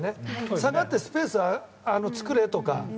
下がってスペースを作れとか。